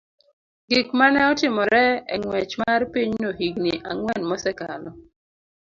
gik ma ne otimore e ng'wech mar pinyno higini ang'wen mosekalo,